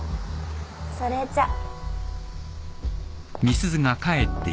それじゃあ。